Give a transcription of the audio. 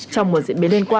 trong một diễn biến liên quan